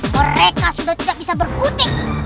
mereka sudah tidak bisa berkutik